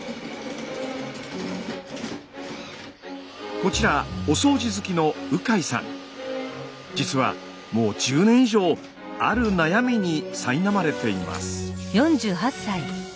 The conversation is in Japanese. こちらお掃除好きの実はもう１０年以上ある悩みにさいなまれています。